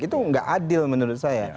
itu nggak adil menurut saya